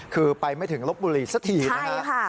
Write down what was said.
คือไปไม่ถึงลบบุรีสักทีนะครับ